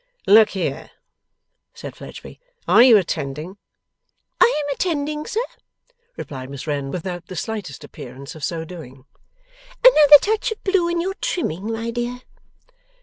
'Look here,' said Fledgeby. 'Are you attending?' 'I am attending, sir,' replied Miss Wren, without the slightest appearance of so doing. 'Another touch of blue in your trimming, my dear.